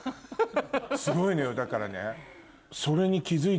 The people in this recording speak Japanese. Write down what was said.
すごいのよだからね。